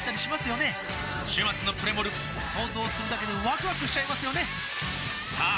週末のプレモル想像するだけでワクワクしちゃいますよねさあ